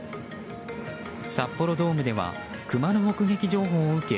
札幌ドームではクマの目撃情報を受け